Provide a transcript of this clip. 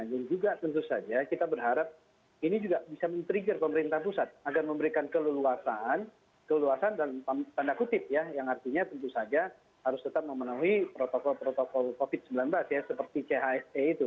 dan juga tentu saja kita berharap ini juga bisa men trigger pemerintah pusat agar memberikan keleluasan dan tanda kutip ya yang artinya tentu saja harus tetap memenuhi protokol protokol covid sembilan belas ya seperti chse itu